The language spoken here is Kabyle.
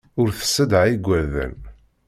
Ur tessedha igerdan.